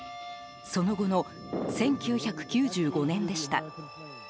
その後の１９９５年でした。